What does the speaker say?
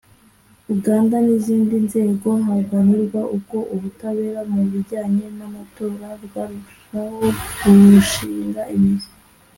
Uganda n’izindi nzego haganirwa uko ubutabera mu bijyanye n’amatora bwarushaho gushing imizi